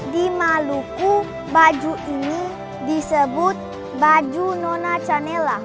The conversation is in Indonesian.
di maluku baju ini disebut baju nona channella